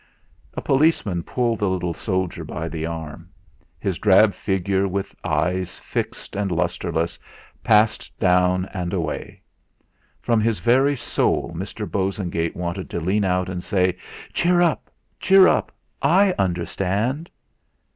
A policeman pulled the little soldier by the arm; his drab figure with eyes fixed and lustreless, passed down and away. From his very soul Mr. Bosengate wanted to lean out and say: "Cheer up, cheer up! I understand."